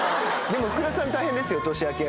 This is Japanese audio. でも福田さん大変ですよ年明け。